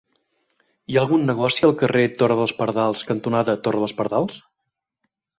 Hi ha algun negoci al carrer Torre dels Pardals cantonada Torre dels Pardals?